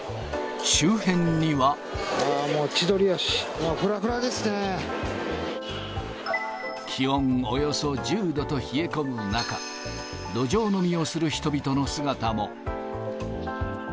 ああ、もう千鳥足、もうふら気温およそ１０度と冷え込む中、路上飲みをする人々の姿も。